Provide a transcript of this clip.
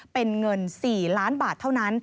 เป็นเงิน๔ล้านบาทเท่านั้น